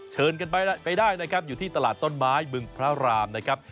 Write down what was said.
เชิญกันไปไปได้นะครับอยู่ที่ตลาดต้นไม้บึงพระรามนะครับ